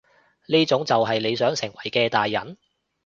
呢種就係你想成為嘅大人？